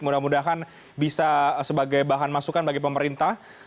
mudah mudahan bisa sebagai bahan masukan bagi pemerintah